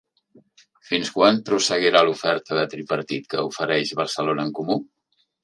Fins quan prosseguirà l'oferta de tripartit que ofereix Barcelona en Comú?